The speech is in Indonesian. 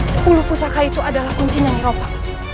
sepuluh pusaka itu adalah kuncinya eropa